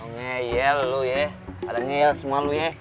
ngeyel lu ya pada ngeyel semua lu ya